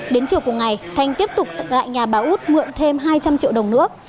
đến chiều cùng ngày thanh tiếp tục gại nhà bà út mượn thêm hai trăm linh triệu đồng nữa